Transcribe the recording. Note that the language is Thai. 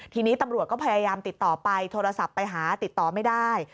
ทีนี้ตำรวจก็พยายามติดต่อไปโทรศัพท์ไปหาติดต่อไม่ได้